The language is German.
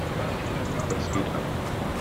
Was geht ab?